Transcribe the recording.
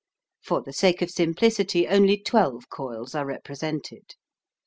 For the sake of simplicity only twelve coils are represented.